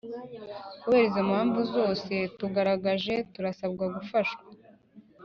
Kubera izo mpamvu zose tugaragaje turasabwa gufashwa